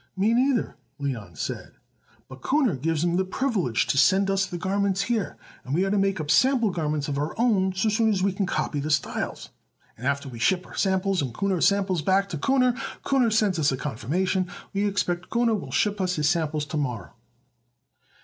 "Me neither," Leon said; "but Kuhner gives him the privilege to send us the garments here, and we are to make up sample garments of our own so soon as we can copy the styles; and after we ship our samples and Kuhner's samples back to Kuhner, Kuhner sends us a confirmation. We expect Kuhner will ship us his samples to morrow."